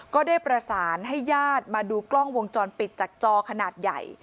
ก็ได้ประสานให้ญาติมาดูกล้องวงจรปิดจากจอขนาดใหญ่